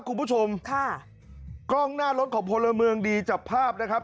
คุณผู้ชมค่ะกล้องหน้ารถของพลเมืองดีจับภาพนะครับ